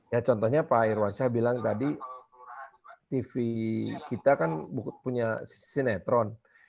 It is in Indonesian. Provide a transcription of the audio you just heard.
ya contohnya pak irwansyah bilang tadi tv kita kan punya sinetron